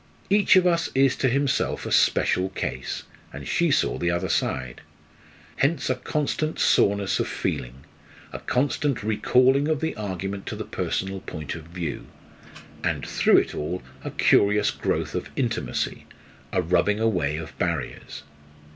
Each of us is to himself a "special case"; and she saw the other side. Hence a constant soreness of feeling; a constant recalling of the argument to the personal point of view; and through it all a curious growth of intimacy, a rubbing away of barriers.